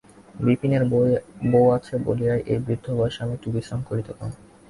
বিপিনের বউ আছে বলিয়াই এই বৃদ্ধবয়সে আমি একটু বিশ্রাম করিতে পাই।